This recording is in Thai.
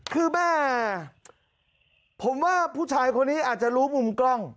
คือแม่ผมว่าผู้ชายคนนี้อาจจะรู้มุมกล้อง